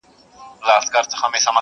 هغه خپل درد پټوي او له چا سره نه شريکوي.